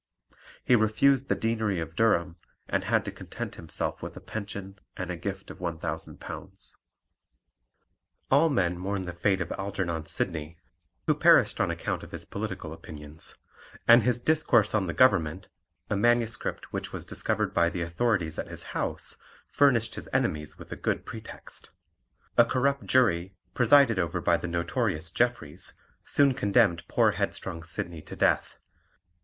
He refused the Deanery of Durham, and had to content himself with a pension and a gift of £1,000. All men mourn the fate of Algernon Sidney, who perished on account of his political opinions; and his Discourse on the Government, a manuscript which was discovered by the authorities at his house, furnished his enemies with a good pretext. A corrupt jury, presided over by the notorious Jeffreys, soon condemned poor headstrong Sidney to death.